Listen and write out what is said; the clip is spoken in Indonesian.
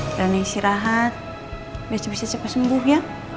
berani istirahat biar cepet cepet sembuh ya